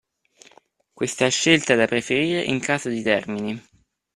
Questa scelta è da preferire in caso di termini